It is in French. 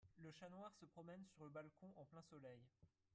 Le chat noir se promène sur le balcon en plein soleil